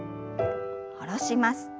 下ろします。